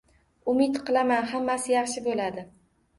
Umid qilaman. Hammasi yaxshi bo'ladi.